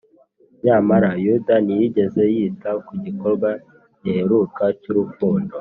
nyamara yuda ntiyigeze yita ku gikorwa giheruka cy’urukundo